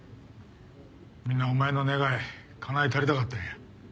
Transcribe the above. みんなお前の願いかなえたりたかったんや。